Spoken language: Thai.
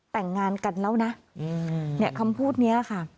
แต่งงานกันแล้วนะเนี่ยคำพูดนี้ค่ะ